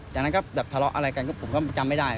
จากนั้นก็แบบทะเลาะอะไรกันก็ผมก็จำไม่ได้